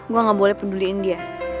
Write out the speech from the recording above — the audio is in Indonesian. gue gak boleh peduliin dia